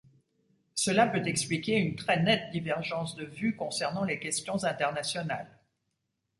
Cela peut expliquer une très nette divergence de vue concernant les questions internationales.